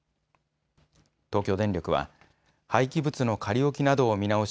東京電力は廃棄物の仮置きなどを見直し